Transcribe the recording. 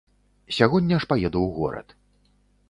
Сягоння ж паеду ў горад.